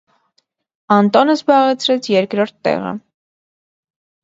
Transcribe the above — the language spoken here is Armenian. Անտոնը զբաղեցրեց երկրորդ տեղը։